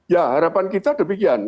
ya harapan kita demikian